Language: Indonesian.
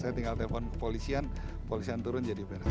saya tinggal telepon ke polisian polisian turun jadi beres